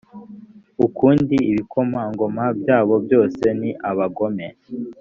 ukundi ibikomangoma byabo byose ni abagome